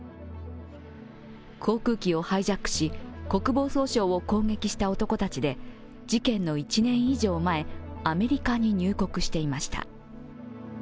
航空機をハイジャックし、国防総省を攻撃した男たちで事件の１年以上前、アメリカに入国していました。